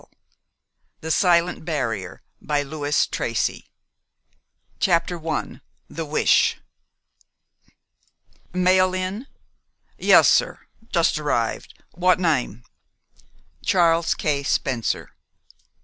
] THE SILENT BARRIER CHAPTER I THE WISH "Mail in?" "Yes, sir; just arrived. What name?" "Charles K. Spencer."